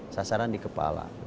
sasaran di kepala